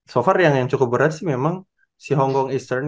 so far yang cukup berat sih memang si hongkong eastern